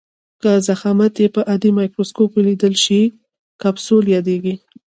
که ضخامت یې په عادي مایکروسکوپ ولیدل شي کپسول یادیږي.